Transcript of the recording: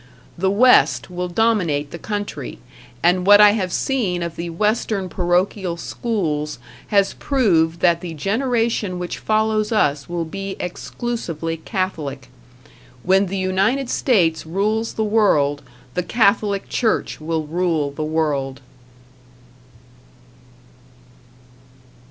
The West will dominate the country, and what I have seen of the Western parochial schools has proved that the generation which follows us will be exclusively Catholic. When the United States rules the world the Catholic Church will rule the world.